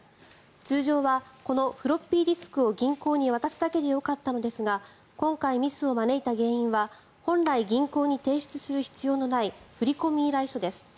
通常はこのフロッピーディスクを銀行に渡すだけでよかったのですが今回ミスを招いた原因は本来、銀行に提出する必要のない振込依頼書です。